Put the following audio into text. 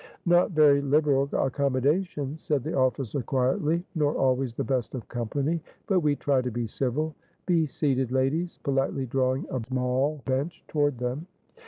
"Not very liberal accommodations" said the officer, quietly; "nor always the best of company, but we try to be civil. Be seated, ladies," politely drawing a small bench toward them.